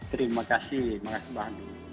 terima kasih terima kasih pak